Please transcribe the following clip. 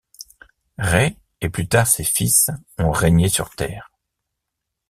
Rê, et plus tard ses fils, ont régné sur Terre.